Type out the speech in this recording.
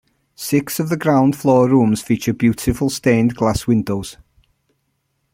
Six of the ground floor rooms feature beautiful stained glass windows.